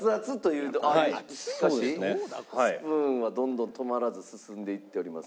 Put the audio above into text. スプーンはどんどん止まらず進んでいっております。